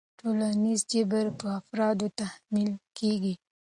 ټولنیز جبر په افرادو تحمیل کېږي.